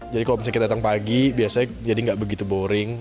jadi kalau misalnya kita datang pagi biasanya jadi nggak begitu boring